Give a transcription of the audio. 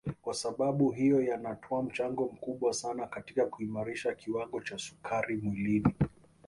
Kwasababu hiyo yanatoa mchango mkubwa sana katika kuimarisha kiwango cha sukari mwilini